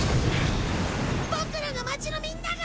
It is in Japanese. ボクらの街のみんなが！